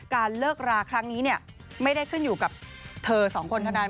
การเลิกราครั้งนี้เนี่ยไม่ได้ขึ้นอยู่กับเธอสองคนเท่านั้น